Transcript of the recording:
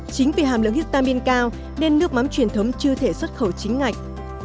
chính vì hàm lượng histamin cao nên nước mắm truyền thống chưa thể xuất khẩu chính ngạch